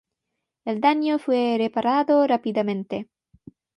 El Daño fue reparado rápidamente.